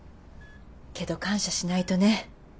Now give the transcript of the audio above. けど感謝しないとね。